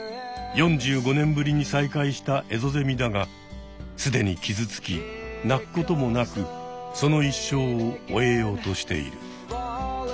４５年ぶりに再会したエゾゼミだがすでに傷つき鳴くこともなくその一生を終えようとしている。